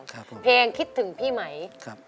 ครับผมฟังเพลงคิดถึงพี่ไหม